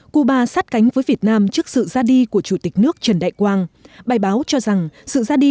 cuba sát cánh với việt nam trước sự ra đi của chủ tịch nước trần đại quang bài báo cho rằng sự ra đi